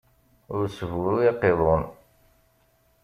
Ur sburuy aqiḍun.